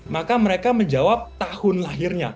maka mereka menjawab tahun lahirnya